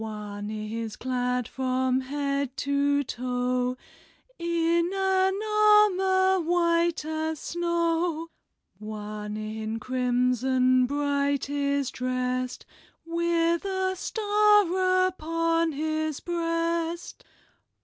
One is clad from head to toe In an ar mor white as snow. One in crim son bright is drest, With a star up on his breast.